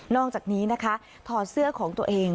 อกจากนี้นะคะถอดเสื้อของตัวเอง